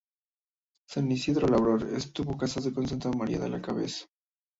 San Isidro Labrador estuvo casado con Santa María de la Cabeza.